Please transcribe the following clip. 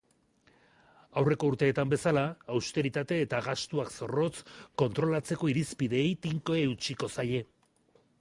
Aurreko urteetan bezala, austeritate eta gastuak zorrotz kontrolatzeko irizpideei tinko eutsiko zaie.